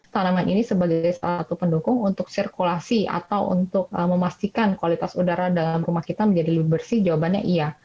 tanaman ini sebagai satu pendukung untuk sirkulasi atau untuk memastikan kualitas udara dalam rumah kita menjadi lebih bersih jawabannya iya